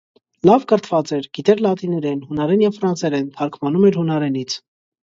Լավ կրթված էր, գիտեր լատիներեն, հունարեն և ֆրանսերեն, թարգմանում էր հունարենից։